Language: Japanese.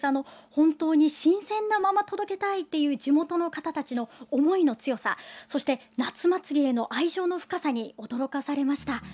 本当に新鮮なまま届けたいっていう地元の方たちの思いの強さ、そして夏祭りへの愛情の深さに驚かされました。